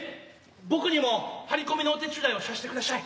僕にも張り込みのお手伝いをしゃしてくだしゃい。